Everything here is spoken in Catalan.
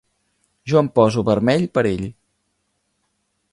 Jo em poso vermell per ell.